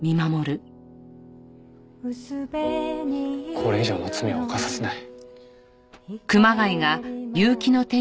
これ以上の罪は犯させない。